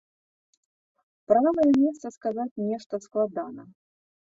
Пра новае месца сказаць нешта складана.